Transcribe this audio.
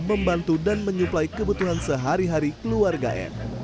membantu dan menyuplai kebutuhan sehari hari keluarga m